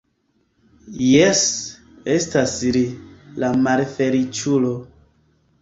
Jes, estas li, la malfeliĉulo.